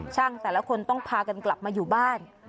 แต่ละคนต้องพากันกลับมาอยู่บ้าน